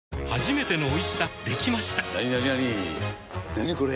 なにこれ！